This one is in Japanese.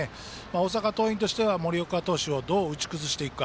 大阪桐蔭としては森岡投手をどう打ち崩していくか。